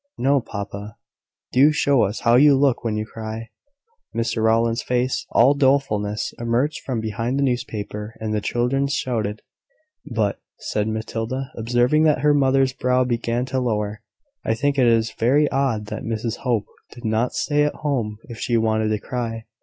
"No, papa. Do show us how you look when you cry." Mr Rowland's face, all dolefulness, emerged from behind the newspaper, and the children shouted. "But," said Matilda, observing that her mother's brow began to lower, "I think it is very odd that Mrs Hope did not stay at home if she wanted to cry.